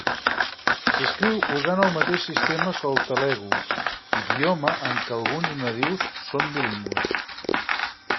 S'escriu usant el mateix sistema que el telugu, idioma en què alguns nadius són bilingües.